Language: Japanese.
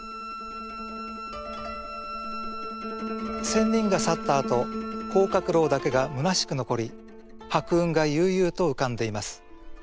仙人が去ったあと黄鶴楼だけがむなしく残り白雲が悠々と浮かんでいます。